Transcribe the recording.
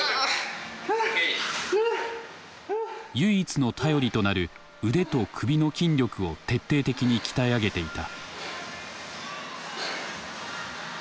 唯一の頼りとなる腕と首の筋力を徹底的に鍛え上げていた。